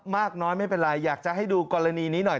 มากน้อยไม่เป็นไรอยากจะให้ดูกรณีนี้หน่อย